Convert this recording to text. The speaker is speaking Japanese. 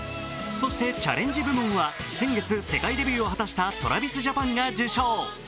そしてチャレンジ部門は先月世界デビューを果たしたＴｒａｖｉｓＪａｐａｎが受賞。